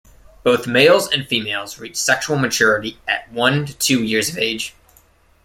Both males and females reach sexual maturity at one to two years of age.